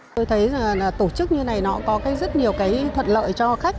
tôi thấy tổ chức như này có rất nhiều thuận lợi cho khách